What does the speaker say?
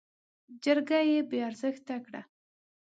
جرګه يې بې ارزښته کړه.